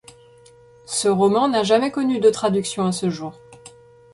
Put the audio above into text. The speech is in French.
Ce roman n'a jamais connu de traduction à ce jour.